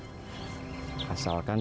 asalkan tuan putri mau berjanji